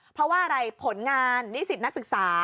เพราะว่าอะไรผลงานนิสิตนักศึกษา